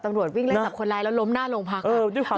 ตำรวจวิ่งเลยจากคนร้ายแล้วล้มหน้าลงพัก